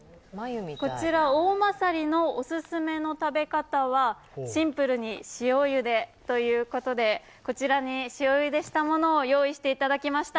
こちら、おおまさりのオススメの食べ方はシンプルに塩ゆでということで、こちらに塩ゆでしたものを用意していただきました。